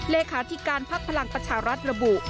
เลขาธิการภักดิ์พลังประชารัฐระบุ